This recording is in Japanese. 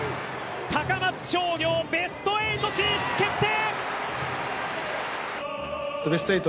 高松商業、ベスト８進出決定！